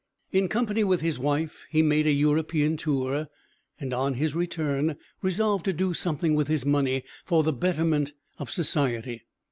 In company with his wife he made an European tour, and on his return resolved to do something with his money for the betterment of society.